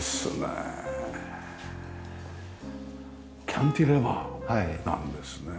キャンティレバーなんですね。